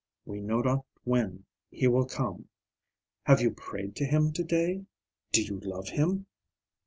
We know not when he will come. Have you prayed to him to day? Do you love him?